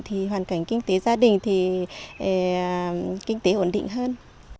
thì hoàn cảnh kinh tế gia đình thì kinh tế ổn định hơn